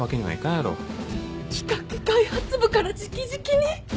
企画開発部から直々に？